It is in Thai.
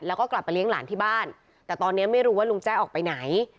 แล้วก็กลับไปเลี้ยงหลานที่บ้านแต่ตอนนี้ไม่รู้ว่าลุงแจ้ออกไปไหน